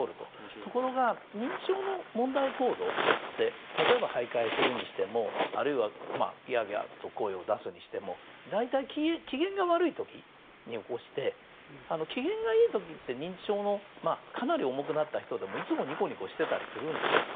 ところが、認知症の問題行動で例えば徘徊するにしてもあるいはギャーギャーと声を出すにしても大体、機嫌が悪い時に起こして機嫌がいい時って認知症のかなり重くなった人でもいつもニコニコしていたりするんですよね。